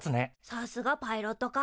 さすがパイロット科。